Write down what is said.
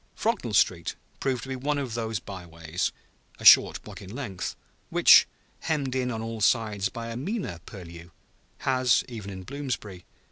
Frognall Street proved to be one of those by ways, a short block in length, which, hemmed in on all sides by a meaner purlieu, has (even in Bloomsbury!)